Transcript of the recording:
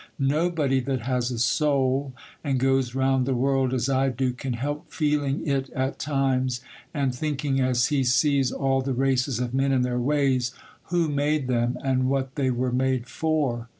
Nobody that has a soul, and goes round the world as I do, can help feeling it at times, and thinking, as he sees all the races of men and their ways, who made them, and what they were made for.